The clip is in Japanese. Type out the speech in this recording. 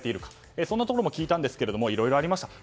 そんなところも聞きましたがいろいろありました。